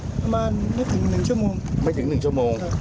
ประมาณไม่ถึง๑ชั่วโมง